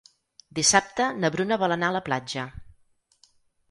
Dissabte na Bruna vol anar a la platja.